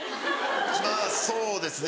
まぁそうですね